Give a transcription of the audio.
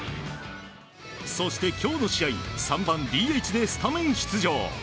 そして今日の試合３番ＤＨでスタメン出場。